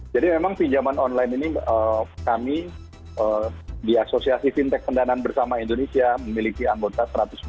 jadi memang pinjaman online ini kami di asosiasi fintech pendanaan bersama indonesia memiliki anggota satu ratus empat puluh enam